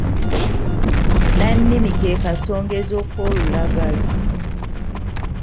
Nnannimi ke kasongezo k’olulagala.